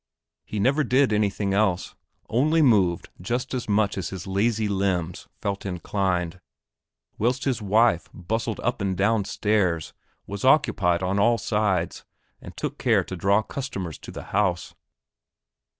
He never did anything else, only moved just as much as his lazy limbs felt inclined, whilst his wife bustled up and down stairs, was occupied on all sides, and took care to draw customers to the house.